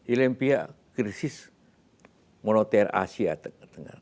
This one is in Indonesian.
ilempia krisis monotel asia tengah tengah